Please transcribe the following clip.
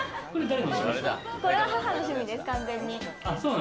これは母の趣味です、完全に。